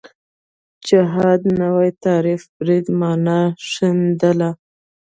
جهاد نوی تعریف برید معنا ښندله